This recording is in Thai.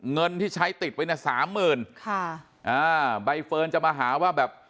เงินที่ใช้ติดไปนะ๓๐๐๐๐บาทใบเฟิร์นจะมาหาว่าแบบ